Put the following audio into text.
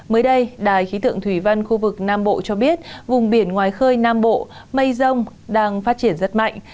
mới đây đài khí tượng thủy văn khu vực nam bộ cho biết vùng biển ngoài khơi nam bộ mây rông đang phát triển rất mạnh